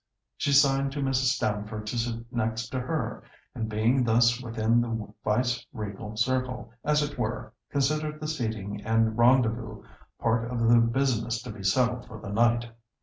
She signed to Mrs. Stamford to sit next to her, and being thus within the Vice regal circle, as it were, considered the seating and rendezvous part of the business to be settled for the night.